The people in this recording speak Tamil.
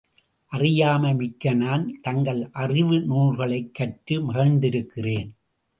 அறியாமை மிக்க நான், தங்கள் அறிவுநூல்களைக்கற்று மகிழ்ந்திருக்கிறேன்.